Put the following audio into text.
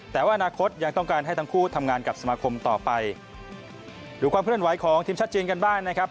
แต่ว่าอนาคตยังต้องการให้ทั้งคู่ทำงานกับสมาคมต่อไปดูความเคลื่อนไหวของทีมชาติจีนกันบ้างนะครับ